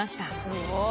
すごい。